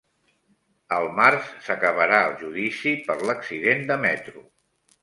Al març s'acabarà el judici per l'accident de metro